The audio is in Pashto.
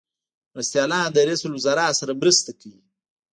مرستیالان د رئیس الوزرا سره مرسته کوي